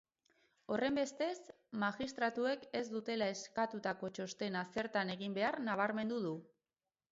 Horrenbestez, magistratuek ez dutela eskatutako txostena zertan egin behar nabarmendu du.